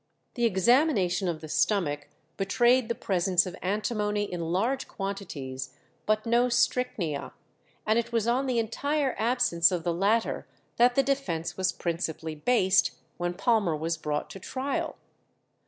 The examination of the stomach betrayed the presence of antimony in large quantities, but no strychnia, and it was on the entire absence of the latter that the defence was principally based when Palmer was brought to trial.